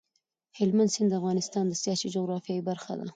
هلمند سیند د افغانستان د سیاسي جغرافیې برخه ده.